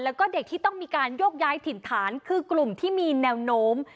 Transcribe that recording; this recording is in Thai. แล้วก็เด็กที่ต้องมีการโยกย้ายถิ่นฐานคือกลุ่มที่มีแนวโน้ม